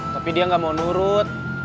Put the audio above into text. tapi dia nggak mau nurut